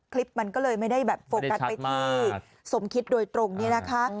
คลิปมันก็เลยไม่ได้แบบไม่ได้ชัดมากสมคิดโดยตรงนี้นะคะ